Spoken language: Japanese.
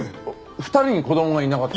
２人に子供がいなかった。